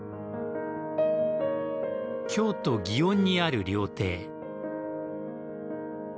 京都・祇園にある料亭。